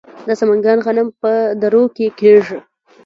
د سمنګان غنم په درو کې کیږي.